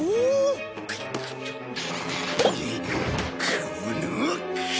この！